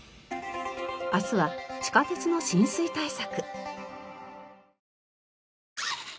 明日は地下鉄の浸水対策。